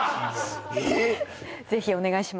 ぜひお願いします。